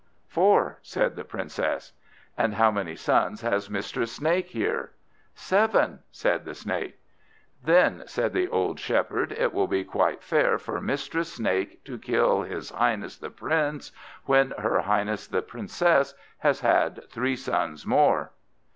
"Four," said the Princess. "And how many sons has Mistress Snake here?" "Seven," said the Snake. "Then," said the old Shepherd, "it will be quite fair for Mistress Snake to kill his Highness the Prince, when her Highness the Princess has had three sons more."